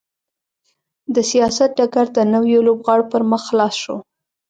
د سیاست ډګر د نویو لوبغاړو پر مخ خلاص شو.